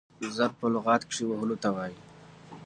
ضرب په لغت کښي وهلو ته وايي.